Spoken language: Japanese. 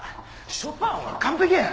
ショパンは完ぺきや。